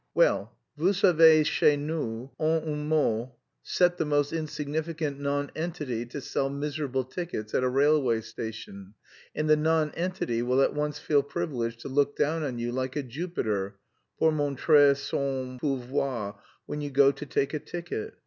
"Well... Vous savez chez nous... En un mot, set the most insignificant nonentity to sell miserable tickets at a railway station, and the nonentity will at once feel privileged to look down on you like a Jupiter, pour montrer son pouvoir when you go to take a ticket.